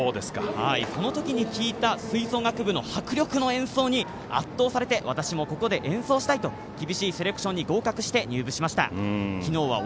そのときに聴いた吹奏楽部の迫力の演奏に圧倒されて私もここで演奏したいと厳しいセレクションに合格して、入部しました。